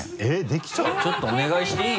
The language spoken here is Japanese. ちょっとお願いしていい？